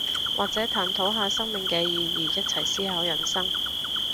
或者探討下生命嘅意義，一齊思考人生